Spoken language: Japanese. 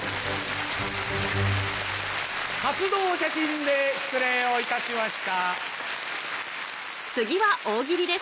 活動写真で失礼をいたしました。